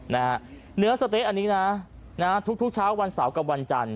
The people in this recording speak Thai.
เนื้อสะเต๊ะอันนี้นะทุกเช้าวันเสาร์กับวันจันทร์